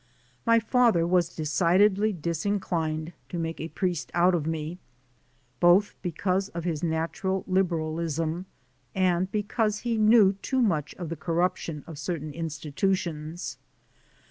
My father was decidedly disinclined to make a priest out of me, both be cause of his natural liberalism and because he knew too much of the corruption of certain institutions.